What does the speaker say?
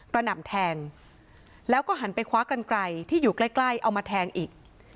หน่ำแทงแล้วก็หันไปคว้ากันไกลที่อยู่ใกล้ใกล้เอามาแทงอีก